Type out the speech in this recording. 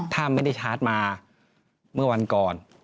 ถ้าไม่ได้ชาร์จมาเมื่อวันก่อน